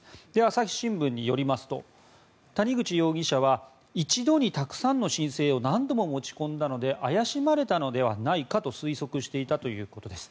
朝日新聞によりますと谷口容疑者は一度にたくさんの申請を何度も持ち込んだので怪しまれたのではないかと推測していたということです。